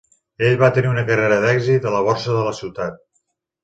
Ell va tenir una carrera d'èxit a la borsa de la ciutat.